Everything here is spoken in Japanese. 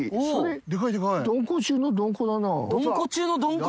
どんこ中のどんこ？